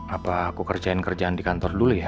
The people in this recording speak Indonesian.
apa aku kerjain kerjaan di kantor dulu ya